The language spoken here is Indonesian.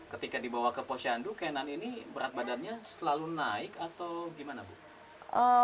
ketika dibawa ke posyandu kenan ini berat badannya selalu naik atau gimana bu